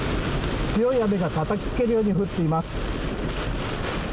強い雨がたたきつけるように降っています。